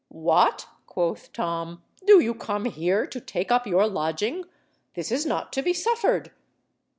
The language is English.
"What!" quoth Tom, "do you come here to take up your lodging? This is not to be suffered."